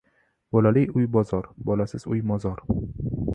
• Bolali uy ― bozor, bolasiz uy ― mozor.